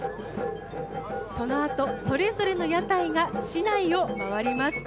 そのあと、それぞれの屋台が市内を回ります。